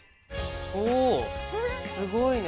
おすごいね！